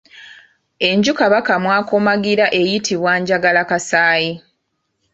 Enju Kabaka mw'akomagira eyitibwa Njagalakasaayi.